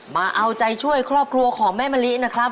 มาเอาใจช่วยครอบครัวของแม่มะลินะครับ